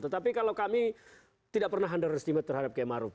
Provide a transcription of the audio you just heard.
tetapi kalau kami tidak pernah underestimate terhadap kemaruf